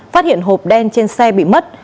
phát hiện hộp đen trên xe bị mất